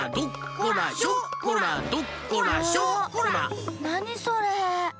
あなにそれ？